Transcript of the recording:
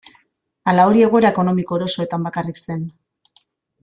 Ala hori egoera ekonomiko erosoetan bakarrik zen?